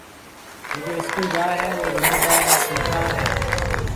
جڪو اسڪول جائيِ هيَ او زميندار را ڇوڪرا هيَ۔